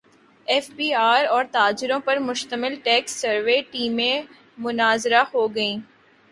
F B R اور تاجروں پر مشتمل ٹیکس سروے ٹیمیں متنازع ہو گئیں